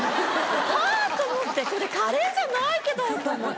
はぁ⁉と思ってこれカレーじゃないけど！と思って。